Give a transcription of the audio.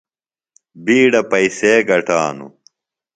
بِیڈہ پئیسے گٹانوۡ۔